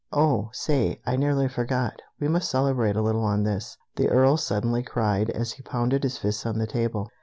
"Oh, say! I nearly forgot. We must celebrate a little on this!" the Earl suddenly cried, as he pounded his fist on the table.